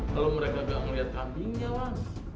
kalau mereka gak ngeliat kambingnya mas